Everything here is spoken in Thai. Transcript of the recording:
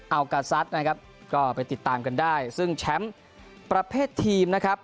เอากาซัสนะครับก็ไปติดตามกันได้ซึ่งแชมป์ประเภททีมนะครับ